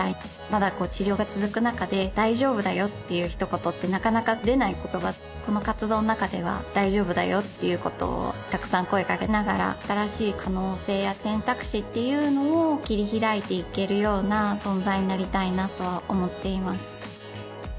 まだこう治療が続く中で大丈夫だよっていうひと言ってなかなか出ない言葉この活動の中では大丈夫だよっていうことをたくさん声かけながら新しい可能性や選択肢っていうのを切り開いていけるような存在になりたいなとは思っています